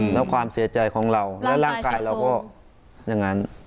แล้วความเสียใจของเราและร่างกายเราก็อย่างนั้น